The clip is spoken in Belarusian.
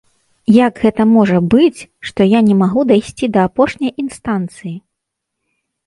Як гэта можа быць, што я не магу дайсці да апошняй інстанцыі?